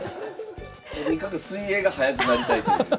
とにかく水泳が速くなりたいという。